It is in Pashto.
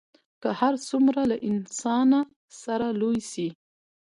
که هر څومره له انسانه سره لوی سي